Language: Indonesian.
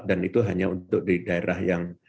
dan itu hanya untuk di daerah yang